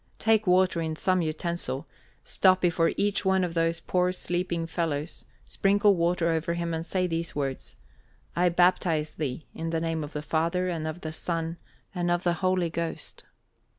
Take water in some utensil, stop before each one of those poor sleeping fellows, sprinkle water over him, and say these words: 'I baptize thee, in the name of the Father, and of the Son, and of the Holy Ghost!'"